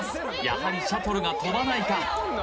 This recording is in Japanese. やはりシャトルが飛ばないか？